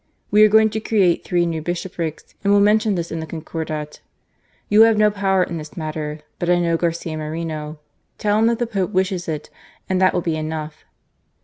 We are going to create three new bishoprics, and will mention this in the Concordat. You have no power in this matter, but I know Garcia Moreno. Tell him that the Pope 124 GARCIA MORESO. wishes it and that will be enough."